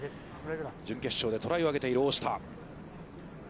準決勝でトライを挙げている大下。